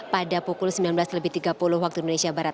pada pukul sembilan belas lebih tiga puluh waktu indonesia barat